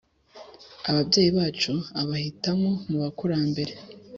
ababyeyi bacu, ubahitamo mu bakurambere